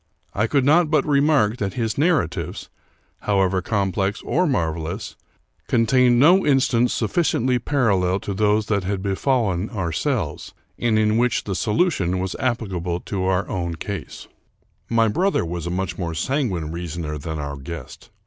I could not but remark that his narratives, however complex or marvelous, contained no instance sufficiently parallel to those that had befallen ourselves, and in which the solution was applicable to our own case. My brother was a much more sanguine reasoner than our guest.